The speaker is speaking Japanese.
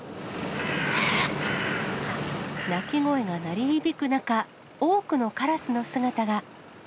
鳴き声が鳴り響く中、多くのカラスの姿が。